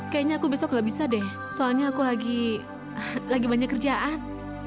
kayaknya aku besok gak bisa deh soalnya aku lagi banyak kerjaan